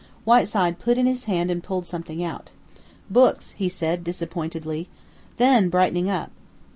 Whiteside put in his hand and pulled something out. "Books," he said disappointedly. Then, brightening up.